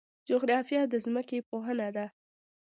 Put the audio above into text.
جغرافیه د ځمکې پوهنه ده